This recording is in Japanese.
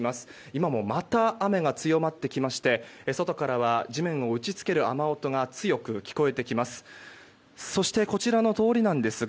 今もまた雨が強まってきまして外からは地面を打ち付ける雨音が強く聞こえてきます。